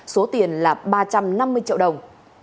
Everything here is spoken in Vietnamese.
số tiền là ba trăm năm mươi triệu đồng